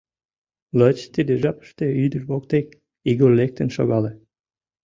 Лач тиде жапыште ӱдыр воктек Игорь лектын шогале.